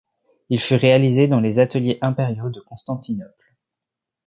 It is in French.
Il fut réalisé dans les ateliers impériaux de Constantinople.